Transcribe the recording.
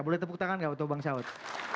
boleh tepuk tangan nggak untuk bang saud